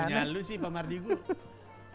cuma punya lo sih pak mardi gue